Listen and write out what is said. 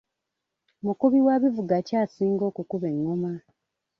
Mukubi wa bivuga ki asinga okukuba engoma.